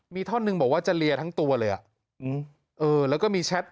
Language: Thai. มีท่อนึงบอกว่าจะเรียทั้งตัวเลยอ่ะว่าก็มีแชท